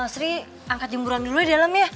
sri angkat jemburang dulu ya di dalam ya